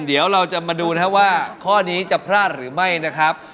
เดี๋ยวเราจะมาดูนะครับว่าข้อนี้จะพลาดหรือไม่นะครับ